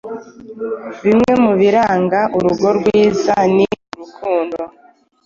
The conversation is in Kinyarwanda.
Bimwe mubiranga urugo rwiza, ni urukundo